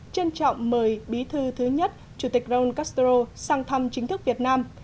trân trọng mời bí thư thứ nhất chủ tịch ron castro sang thăm chính thức việt nam